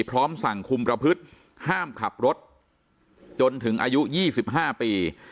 พร้อมสั่งคุมประพฤติห้ามขับรถจนถึงอายุ๒๕ปี